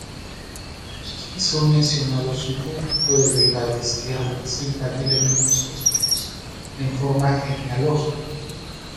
Aquí son mencionados un conjunto de deidades que representan elementos cósmicos, en forma genealógica.